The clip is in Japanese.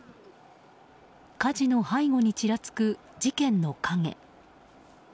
火事の背後にちらつく事件の影。